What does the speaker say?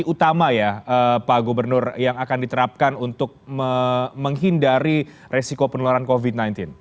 jadi utama ya pak gubernur yang akan diterapkan untuk menghindari risiko penularan covid sembilan belas